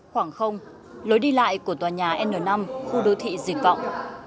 khoảng không lối đi lại của tòa nhà n năm khu đô thị dịch vọng